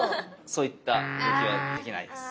そういった動きはできないです。